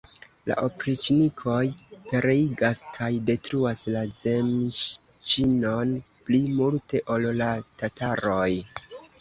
La opriĉnikoj pereigas kaj detruas la zemŝĉinon pli multe ol la tataroj.